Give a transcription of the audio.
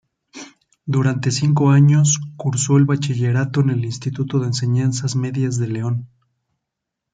Durante cinco años cursó el Bachillerato en el Instituto de Enseñanzas Medias de León.